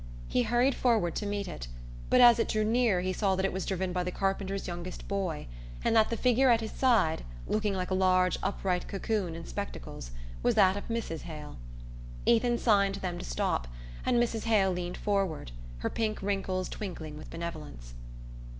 He hurried forward to meet it, but as it drew nearer he saw that it was driven by the carpenter's youngest boy and that the figure at his side, looking like a large upright cocoon in spectacles, was that of Mrs. Hale. Ethan signed to them to stop, and Mrs. Hale leaned forward, her pink wrinkles twinkling with benevolence.